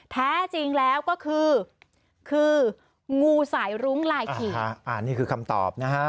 แท้จริงแล้วก็คือคืองูสายรุ้งลายขี่นี่คือคำตอบนะฮะ